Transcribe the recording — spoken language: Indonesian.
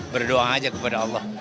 berdoa aja kepada allah